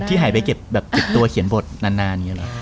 ที่หายไปเก็บตัวเขียนบทนานอย่างนี้หรอ